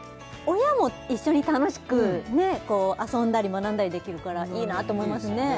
親も一緒に楽しく遊んだり学んだりできるからいいなと思いますね